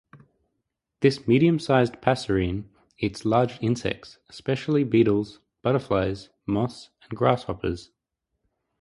This medium-sized passerine eats large insects, especially beetles, butterflies, moths and grasshoppers.